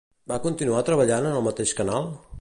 Va continuar treballant en el mateix canal?